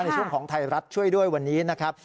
ในช่วงของไทยรัฐช่วยด้วยวันนี้นะครับ